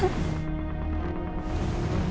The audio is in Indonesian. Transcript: oh butuh uang